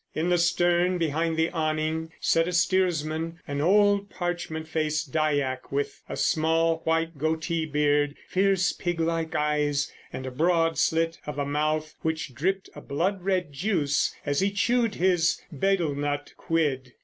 In the stern, behind the awning, sat the steersman, an old, parchment faced Dyak with a small white goatee beard, fierce, pig like eyes, and a broad slit of a mouth which dripped a blood red juice as he chewed his betelnut quid.